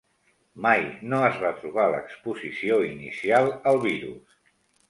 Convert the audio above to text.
Mai no es va trobar l'exposició inicial al virus.